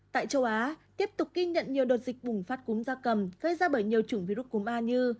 tại châu á tiếp tục ghi nhận nhiều đợt dịch bùng phát cúm da cầm gây ra bởi nhiều chủng virus cúm a như